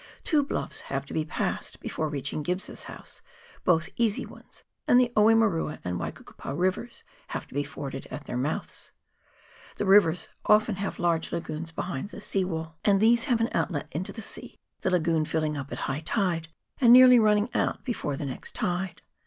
Two bluffs have to be passed before reaching Gibb's house, both easy ones, and the Oemerua and Waikukupa Rivers have to be forded at their mouths. The rivers often have large lagoons behind the sea wall, and 82 PIONEER WORK IN THE ALPS OF NEW ZEALAND. these have an outlet into the sea, the lagoon filling up at high tide, and nearly running out before the next tide.